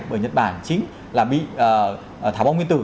bởi nhật bản chính là bị thảo bóng nguyên tử